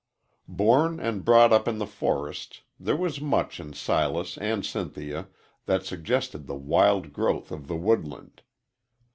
Born and brought up in the forest, there was much in Silas and Cynthia that suggested the wild growth of the woodland.